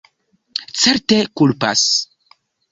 Certe, kulpas!